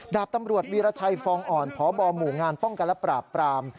ดาบตำรวจวีรชัยฟองอ่อนพบหมู่งานป้องกันและปราบปราม